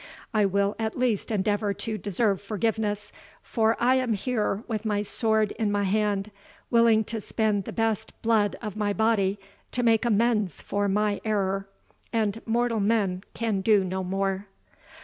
I will at least endeavour to deserve forgiveness, for I am here, with my sword in my hand, willing to spend the best blood of my body to make amends for my error; and mortal man can do no more."